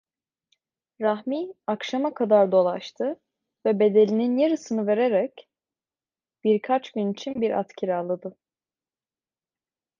Rahmi akşama kadar dolaştı ve bedelinin yarısını vererek birkaç gün için bir at kiraladı…